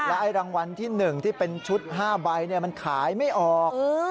ไอ้รางวัลที่๑ที่เป็นชุด๕ใบมันขายไม่ออก